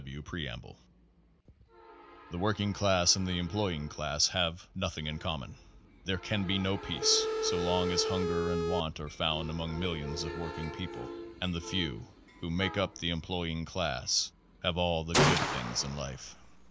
W. W. Preamble "The working class and the employing class have nothing in common. There can be no peace so long as hunger and want are found among millions of working people and the few, who make up the employing class, have all the good things of life.